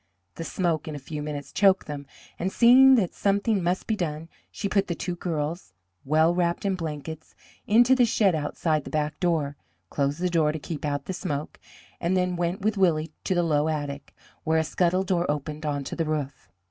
The smoke in a few minutes choked them, and, seeing that something must be done, she put the two girls, well wrapped in blankets, into the shed outside the back door, closed the door to keep out the smoke, and then went with Willie to the low attic, where a scuttle door opened onto the roof.